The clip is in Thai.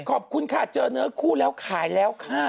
ขอบคุณค่ะเจอเนื้อคู่แล้วขายแล้วค่ะ